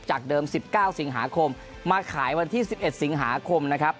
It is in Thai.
จากเดิม๑๙สิงหาคมมาขายวันที่๑๑สิงหาคมนะครับ